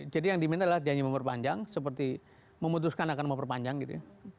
jadi yang diminta adalah janji memperpanjang seperti memutuskan akan memperpanjang gitu ya